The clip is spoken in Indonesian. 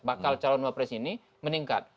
bakal calon cawa press ini meningkat